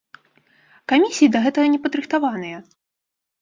Камісіі да гэтага не падрыхтаваныя!